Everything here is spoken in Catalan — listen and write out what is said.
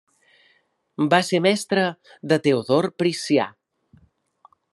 Va ser mestre de Teodor Priscià.